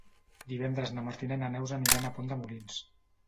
Divendres na Martina i na Neus aniran a Pont de Molins.